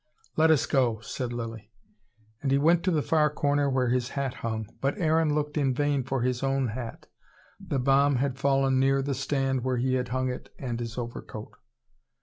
"Let us go," said Lilly. And he went to the far corner, where his hat hung. But Aaron looked in vain for his own hat. The bomb had fallen near the stand where he had hung it and his overcoat.